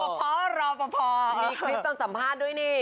มีคลิปตอนสัมภาษณ์ด้วยนี่